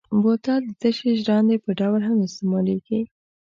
بوتل د تشې ژرندې په ډول هم استعمالېږي.